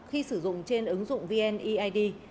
khi sử dụng trên ứng dụng vneid